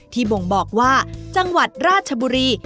บ่งบอกว่าจังหวัดราชบุรี